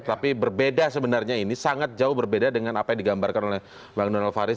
tapi berbeda sebenarnya ini sangat jauh berbeda dengan apa yang digambarkan oleh bang donald faris